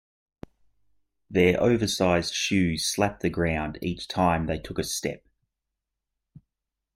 Their oversized shoes slapped the ground each time they took a step.